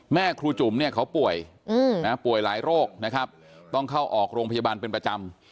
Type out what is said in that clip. แม่ครูจุ๋มเนี่ยเขาป่วยป่วยหลายโรคนะครับต้องเข้าออกโรงพยาบาลเป็นประจำ